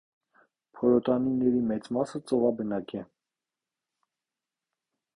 Փորոտանիների մեծ մասը ծովաբնակ է։